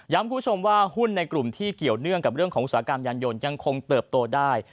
คุณผู้ชมว่าหุ้นในกลุ่มที่เกี่ยวเนื่องกับเรื่องของอุตสาหกรรมยานยนต์ยังคงเติบโตได้